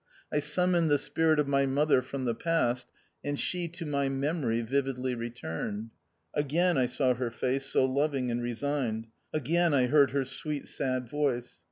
I summoned the spirit of my mother from the past, and she to my memory vividly returned. Again I saw her face so loving and resigned ; again I heard her sweet sad voice.